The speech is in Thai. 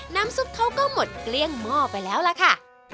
น้ำซุปเขาก็หมดเสร็จเวลาโม่ไปแล้วหล่ะค่ะ